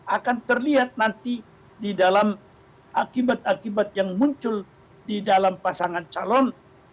akan terlihat nanti di dalam akibat akibat yang muncul di dalam pasangan calon